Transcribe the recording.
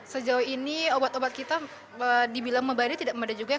sejauh ini obat obat kita dibilang memadai tidak memadai juga